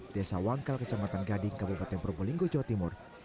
desa wangkal kecamatan gading kabupaten probolinggo jawa timur